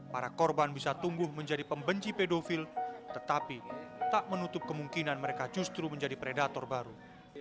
para korban bisa tumbuh menjadi pembenci pedofil tetapi tak menutup kemungkinan mereka justru menjadi predator baru